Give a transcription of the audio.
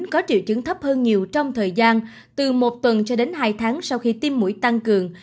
có triệu chứng thấp hơn nhiều trong thời gian từ một tuần cho đến hai tháng sau khi tiêm mũi tăng cường